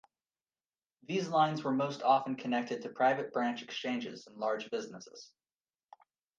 These lines were most often connected to private branch exchanges in large businesses.